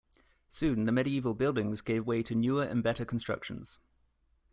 Soon, the medieval buildings gave way to newer and better constructions.